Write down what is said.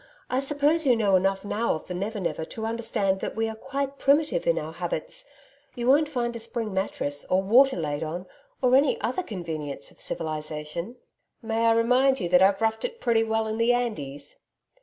I suppose you know enough now of the Never Never to understand that we are quite primitive in our habits. You won't find a spring mattress or water laid on or any other convenience of civilisation.' 'May I remind you that I've roughed it pretty well in the Andes.'